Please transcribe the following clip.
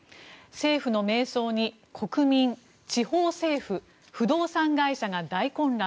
政府の迷走に国民、地方政府不動産会社が大混乱。